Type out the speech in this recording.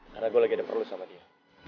karena gue lagi ada perlu sama dia